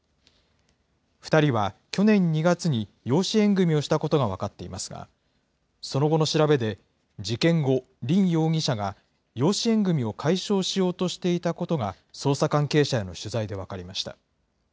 ２人は去年２月に養子縁組みをしたことが分かっていますが、その後の調べで、事件後、リン容疑者が養子縁組みを解消しようとしていたことが、捜査関係者への取材で分かりました。